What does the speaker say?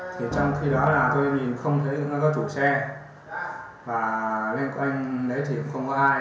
trong khi đó là tôi nhìn không thấy có chủ xe và bên quanh đấy thì không có ai